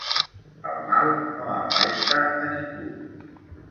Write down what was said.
El mal no afaita a ningú.